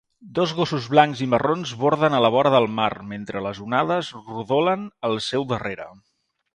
Dos gossos blancs i marrons borden a la vora del mar mentre les onades rodolen al seu darrere.